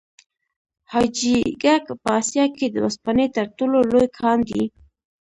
حاجي ګک په اسیا کې د وسپنې تر ټولو لوی کان دی.